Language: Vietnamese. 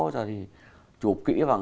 rồi thì chụp kỹ vào